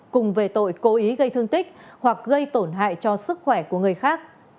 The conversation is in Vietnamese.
cùng về tội cố ý gây thương tích hoặc gây tổn hại cho sức khỏe của người khác